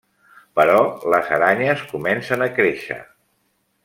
Però les aranyes comencen a créixer.